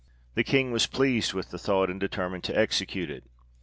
The King was pleased with the thought, and determined to execute it.